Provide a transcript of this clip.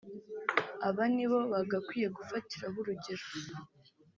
aba nibo bagakwiye gufatiraho urugero